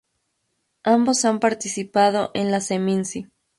Ambos han participado en la Seminci.